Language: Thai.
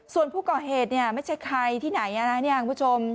ส่วนผู้ก่อเหตุไม่ใช่ใครที่ไหนนะคุณผู้ชม